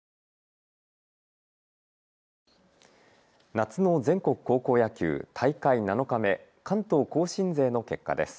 夏の全国高校野球、大会７日目、関東甲信勢の結果です。